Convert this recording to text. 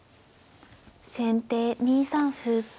先手２三歩。